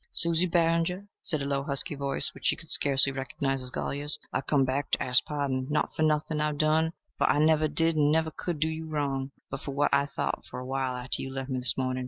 "Susie Barringer," said a low, husky voice which she could scarcely recognize as Golyer's, "I've come to ask pardon not for nothing I've done, for I never did and never could do you wrong but for what I thought for a while arter you left me this morning.